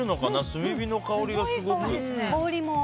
炭火の香りがすごく。